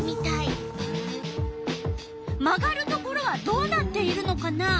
曲がるところはどうなっているのかな？